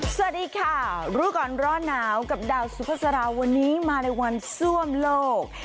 สวัสดีค่ะรู้ก่อนร้อนหนาวกับดาวสุภาษาวันนี้มาในวันซ่วมโลก